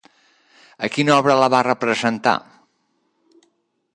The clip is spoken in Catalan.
A quina obra la va representar?